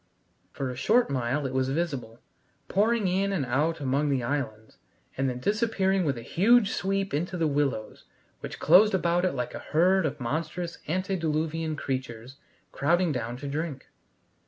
For a short mile it was visible, pouring in and out among the islands, and then disappearing with a huge sweep into the willows, which closed about it like a herd of monstrous antediluvian creatures crowding down to drink.